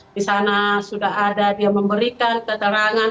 di sana sudah ada dia memberikan keterangan